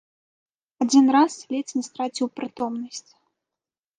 Адзін раз ледзь не страціў прытомнасць.